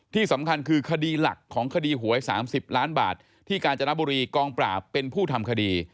ที่สำคัญคือคดีหลักของคดีหวย๓๐ล้านบาทที่กาญจนบุรีกองปราบเป็นผู้ทำคดี